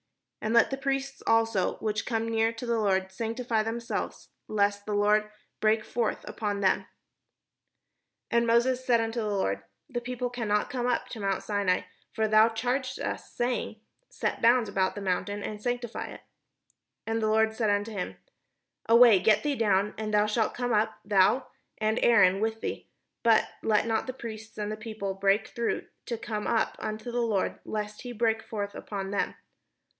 And let the priests also, which come near to the Lord, sanctify themselves, lest the Lord break forth upon them." 534 THE JOURNEY TO THE PROMISED LAND And Moses said unto the Lord: "The people cannot come up to mount Sinai: for thou charged us, saying, 'Set bounds about the mount, and sanctify it.' " And the Lord said unto him: "Away, get thee down, and thou shalt come up, thou, and Aaron with thee, but let not the priests and the people break through to come up unto the Lord, lest he break forth upon them."